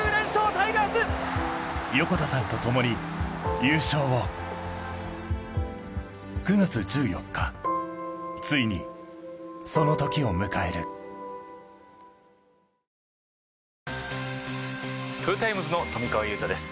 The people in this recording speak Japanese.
タイガース横田さんと共に優勝を９月１４日ついにそのときを迎えるトヨタイムズの富川悠太です